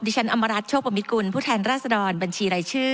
ฉันอำมารัฐโชคประมิตกุลผู้แทนราษฎรบัญชีรายชื่อ